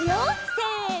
せの！